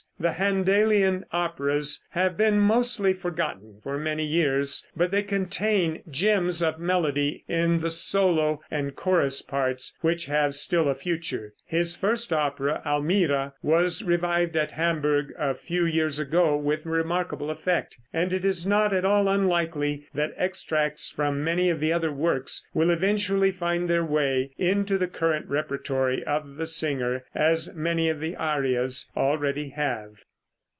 The Händelian operas have been mostly forgotten for many years, but they contain gems of melody in the solo and chorus parts which have still a future. His first opera, "Almira," was revived at Hamburg a few years ago with remarkable effect, and it is not at all unlikely that extracts from many of the other works will eventually find their way into the current repertory of the singer, as many of the arias already have.